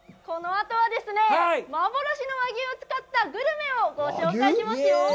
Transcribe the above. このあとはですね、幻の和牛を使ったグルメをご紹介しますよ。